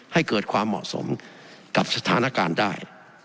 ให้เกิดความเหมาะสมกับสถานการณ์ได้